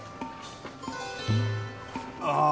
ああ！